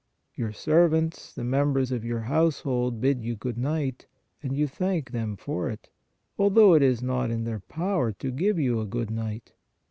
Your servants, the members of your household bid you good night, and you thank them for it, although it is not in their power to give you a good night